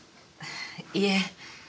いえ。